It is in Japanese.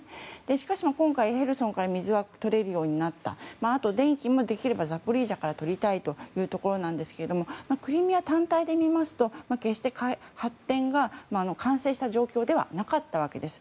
しかし今回、ヘルソンから水が取れるようになったあとは電気もできればザポリージャから取りたいところですがクリミア単体で見ますと決して発展が完成した状況ではなかったわけです。